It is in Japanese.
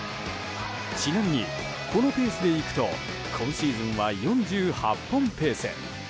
ちなみに、このペースでいくと今シーズンは４８本ペース。